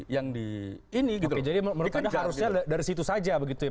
jadi menurut anda harusnya dari situ saja begitu ya